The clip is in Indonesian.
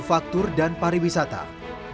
jadi kita bisa memperbaiki perusahaan ini